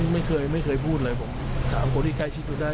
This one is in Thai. ไม่เคยไม่เคยพูดเลยผมถามคนที่ใกล้ชิดดูได้